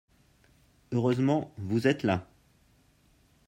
Heureusement, vous êtes là